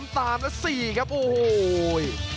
ตามและ๔ครับโอ้โห